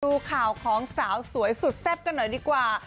ดูข่าวของสาวสวยสุดแซ่บกันหน่อยดีกว่า